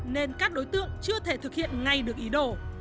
nên các đối tượng chưa thể thực hiện ngay được ý đồ